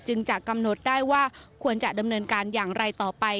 จะกำหนดได้ว่าควรจะดำเนินการอย่างไรต่อไป